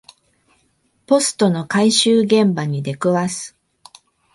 ポストの回収現場に出くわす